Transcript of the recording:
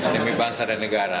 demi bangsa dan negara